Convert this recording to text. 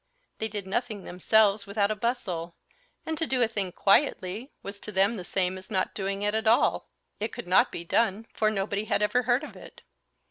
They did nothing themselves without a bustle, and to do a thing quietly was to them the same as not doing it at all it could not be done, for nobody had ever heard of it.